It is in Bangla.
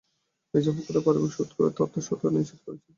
মির্জা ফখরুলের পারিবারিক সূত্র এ তথ্যের সত্যতা নিশ্চিত করেছে।